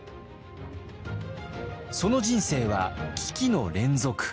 その人生は危機の連続。